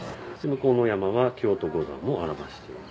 向こうの山は京都五山も表しています。